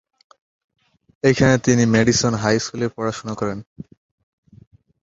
এখানে তিনি Madison high স্কুলে পড়াশোনা করেন।